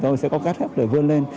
tôi sẽ có cách hết để vươn lên